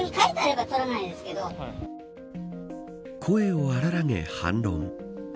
声を荒らげ反論。